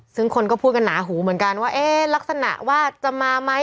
ซึ่งคนก็พูดกันหนาหูเหมือนกันว่าเอ๊ะลักษณะว่าจะมาไหม